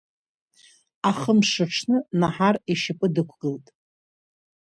Ахымш рыҽны Нахар ишьапы дықәгылт.